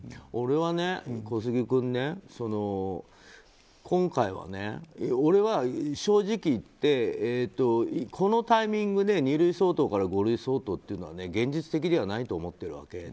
俺は小杉君、今回は正直言ってこのタイミングで二類相当から五類相当というのは現実的ではないと思ってるわけ。